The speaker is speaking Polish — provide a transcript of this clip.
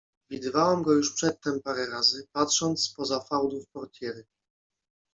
Widywałam go już przedtem parę razy, patrząc spoza fałdów portiery.